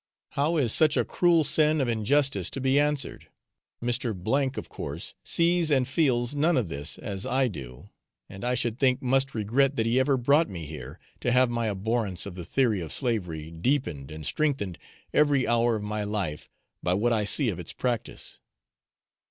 How is such a cruel sin of injustice to be answered? Mr. , of course, sees and feels none of this as I do, and I should think must regret that he ever brought me here, to have my abhorrence of the theory of slavery deepened, and strengthened every hour of my life, by what I see of its practice.